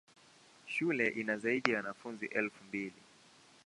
Shule ina zaidi ya wanafunzi elfu mbili.